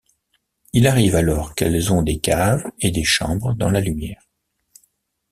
Il arrive alors qu’elles ont des caves et des chambres dans la lumière.